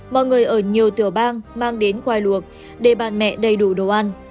mọi người ở nhiều tỉa bang mang đến khoai luộc để bạn mẹ đầy đủ đồ ăn